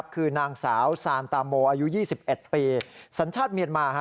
คือนางสาวซานตาโมอายุ๒๑ปีสัญชาติเมียนมา